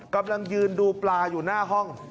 กำลังยืนดูปลาอยู่หน้าห้อง